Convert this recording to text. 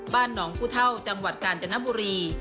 บ้านหนองผู้เท่าจังหวัดกาญจนบุรี